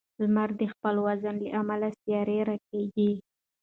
لمر د خپل وزن له امله سیارې راکاږي.